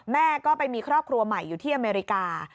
แม่ก็ไปมีครอบครัวใหม่อยู่ที่อเมริกา